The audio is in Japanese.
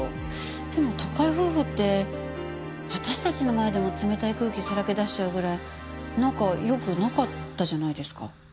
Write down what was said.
でも高井夫婦って私たちの前でも冷たい空気さらけ出しちゃうぐらい仲良くなかったじゃないですか。